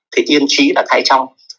thì tiên trí là thai trong